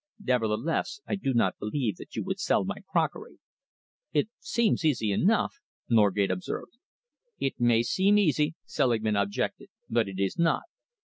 Nevertheless, I do not believe that you would sell my crockery." "It seems easy enough," Norgate observed. "It may seem easy," Selingman objected, "but it is not.